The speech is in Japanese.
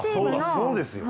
そうですよね。